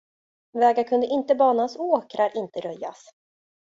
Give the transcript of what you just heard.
Vägar kunde inte banas och åkrar inte röjas.